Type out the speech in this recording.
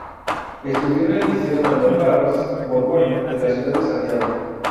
Estudió en el Liceo Manuel Barros Borgoño de la ciudad de Santiago.